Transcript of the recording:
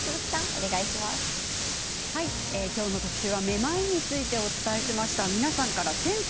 今日の特集はめまいについてお伝えしました。